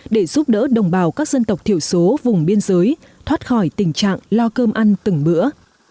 để giúp đỡ đồng bào các dân tộc thiểu số vùng biên giới thoát khỏi tình trạng lo cơm ăn từng bữa